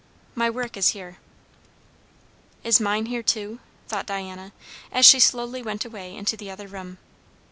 "My work is here." Is mine here too? thought Diana, as she slowly went away into the other room.